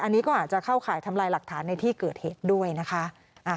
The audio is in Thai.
อันนี้ก็อาจจะเข้าข่ายทำลายหลักฐานในที่เกิดเหตุด้วยนะคะ